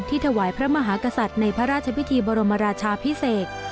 ถวายพระมหากษัตริย์ในพระราชพิธีบรมราชาพิเศษ